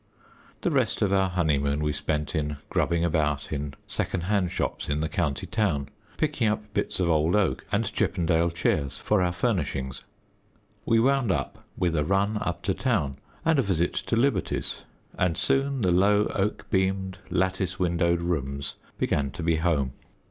The rest of our honeymoon we spent in grubbing about in second hand shops in the county town, picking up bits of old oak and Chippendale chairs for our furnishing. We wound up with a run up to town and a visit to Liberty's, and soon the low oak beamed lattice windowed rooms began to be home.